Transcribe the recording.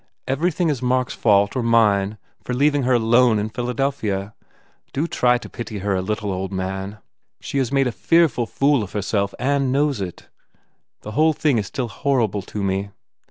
Everything is Mark s fault or mine for leaving her alone in Philadelphia. Do try to pity her a little, old man. She has made a fearful fool of herself and knows it. The whole thing is still horrible to me.